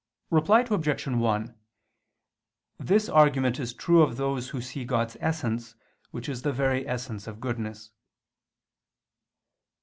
Reply Obj. 1: This argument is true of those who see God's Essence, which is the very essence of goodness.